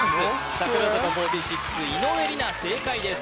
櫻坂４６・井上梨名正解です